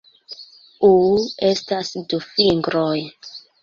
Uh... estas du fingroj.